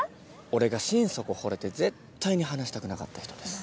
俺が心底ほれて絶対に離したくなかった人です。